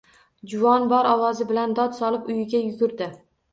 Juvon bor ovozi bilan dod solib, uyiga yugurdi